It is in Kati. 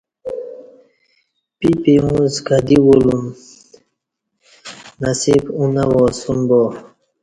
پی پی اڅ کہ دی کولوم نصیب اوں نہ وا اسوم با